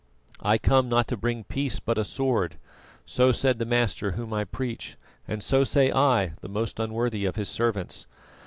'I come not to bring peace, but a sword,' so said the Master Whom I preach, and so say I, the most unworthy of His servants.